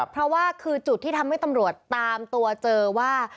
เพราะว่าคือจุดที่ทำให้ตำรวจตามตัวเจอว่า